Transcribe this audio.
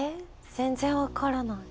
全然分からない。